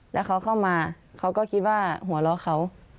แล้วเขาเข้ามาเขาก็คิดว่าหัวเราะเขา